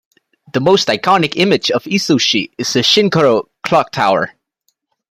The most iconic image of Izushi is the "Shinkoro" clock tower.